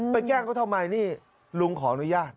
แกล้งเขาทำไมนี่ลุงขออนุญาต